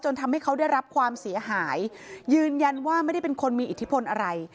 ทำให้เขาได้รับความเสียหายยืนยันว่าไม่ได้เป็นคนมีอิทธิพลอะไร